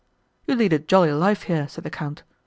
"You lead a jolly life here," said the Count.